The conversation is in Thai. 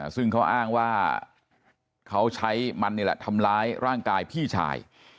ซึ่งเขาอ้างว่าเขาใช้มันนี่แหละทำร้ายร่างกายพี่ชาย